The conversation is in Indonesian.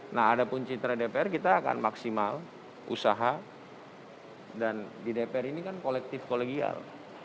nah ada pun citra dpr kita akan maksimal usaha dan di dpr ini kan kolektif kolegial